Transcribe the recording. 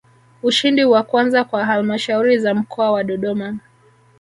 Ushindi wa kwanza kwa Halmashauri za Mkoa wa Dodoma